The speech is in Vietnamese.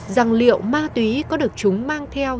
rằng liệu ma túy có được chúng mang theo